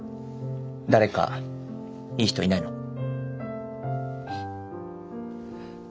誰かいい人いないの？